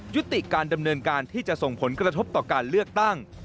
ยุติการดำเนินการที่จะส่งผลกระทบต่อการเลือกตั้ง